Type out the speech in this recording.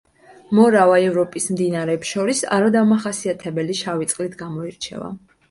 მორავა ევროპის მდინარეებს შორის არადამახასიათებელი შავი წყლით გამოირჩევა.